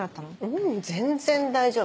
うん全然大丈夫。